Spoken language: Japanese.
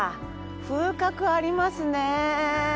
風格ありますね。